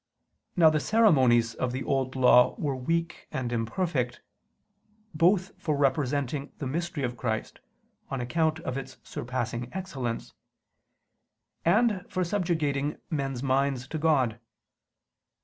Now the ceremonies of the Old Law were weak and imperfect, both for representing the mystery of Christ, on account of its surpassing excellence; and for subjugating men's minds to God.